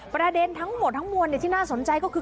ประเด็นทั้งหมดทั้งมวลที่น่าสนใจก็คือ